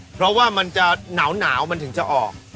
เพราะว่ามันจะหนาวมันถึงจะออก